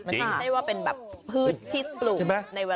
มันไม่ใช่ว่าเป็นแบบพืชที่ปลูกในเวลา